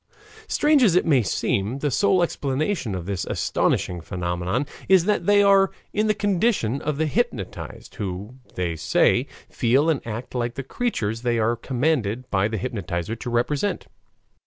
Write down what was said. Strange as it may seem, the sole explanation of this astonishing phenomenon is that they are in the condition of the hypnotized, who, they say, feel and act like the creatures they are commanded by the hypnotizer to represent.